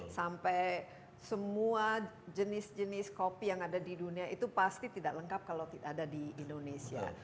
sampai semua jenis jenis kopi yang ada di dunia itu pasti tidak lengkap kalau tidak ada di indonesia